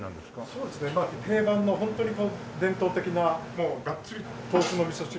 そうですね定番のホントに伝統的ながっつり豆腐のみそ汁。